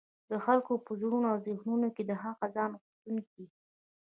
د خلګو په زړونو او ذهنونو کي د هغه ځان غوښتونکي